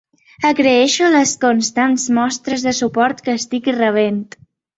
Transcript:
Agraeixo les constants mostres de suport que estic rebent.